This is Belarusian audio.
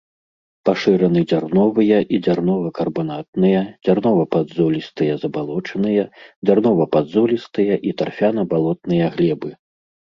Пашыраны дзярновыя і дзярнова-карбанатныя, дзярнова-падзолістыя забалочаныя, дзярнова-падзолістыя і тарфяна-балотныя глебы.